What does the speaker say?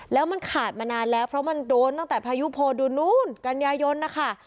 แล้วมันขาดมานานแล้วเพราะมันโดนตั้งแต่พายุโพดูนู้นกันยายนนะคะ